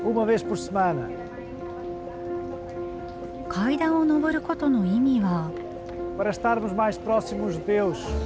階段を上ることの意味は？